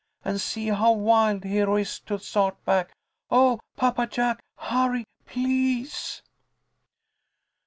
And see how wild Hero is to start back. Oh, Papa Jack! Hurry, please!"